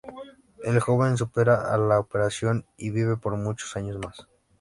El joven supera a la operación y vive por muchos años más.